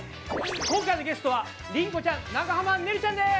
今回のゲストはりんごちゃん長濱ねるちゃんです！